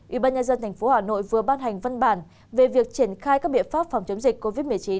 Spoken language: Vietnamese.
ubnd tp hà nội vừa ban hành văn bản về việc triển khai các biện pháp phòng chống dịch covid một mươi chín